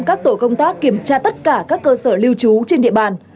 các tổ công tác kiểm tra tất cả các cơ sở lưu trú trên địa bàn